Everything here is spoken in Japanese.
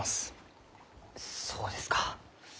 そうですか。